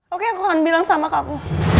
oke aku akan bilang sama kamu